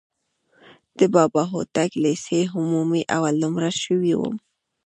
د بابا هوتک لیسې عمومي اول نومره شوی وم.